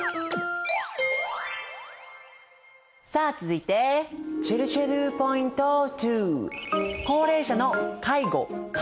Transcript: さあ続いてちぇるちぇるポイント２。